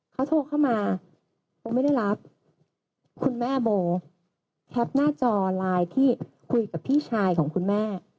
เขาโทรเข้ามาโบไม่ได้รับคุณแม่โบแคปหน้าจอไลน์ที่คุยกับพี่ชายของคุณแม่